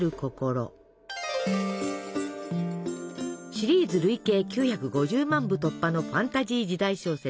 シリーズ累計９５０万部突破のファンタジー時代小説「しゃばけ」。